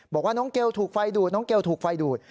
บอกว่าน้องเกลถูกไฟดูดน้องเกลถูกไฟดูด